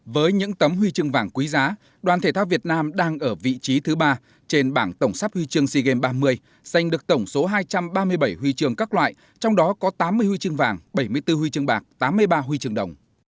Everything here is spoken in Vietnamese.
với những tấm huy chương vàng quý giá đoàn thể thao việt nam đang ở vị trí thứ ba trên bảng tổng sắp huy chương sea games ba mươi dành được tổng số hai trăm ba mươi bảy huy chương các loại trong đó có tám mươi huy chương vàng bảy mươi bốn huy chương bạc tám mươi ba huy chương đồng